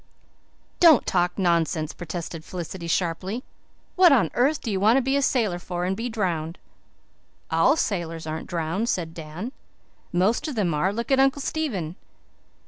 "Don't talk such nonsense," protested Felicity sharply. "What on earth do you want to be a sailor for and be drowned?" "All sailors aren't drowned," said Dan. "Most of them are. Look at Uncle Stephen."